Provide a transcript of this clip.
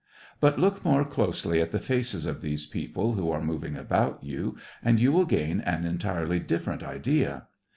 But look more closely at the faces of these people who are moving about you, and you will gain an entirely different idea.